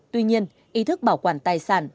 tuy nhiên ý thức bảo quản tài sản